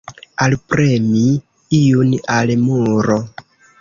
Alpremi iun al muro.